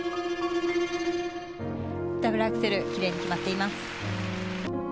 ダブルアクセル奇麗に決まっています。